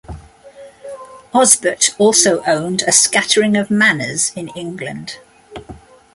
Osbert also owned a scattering of manors in England.